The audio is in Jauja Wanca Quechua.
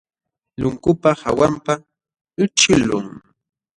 Lunkupa hawanpaq ićhiqlun.